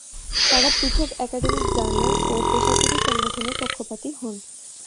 তারা পৃথক academic journal ও পেশাজীবী সংগঠনের পক্ষপাতী হন।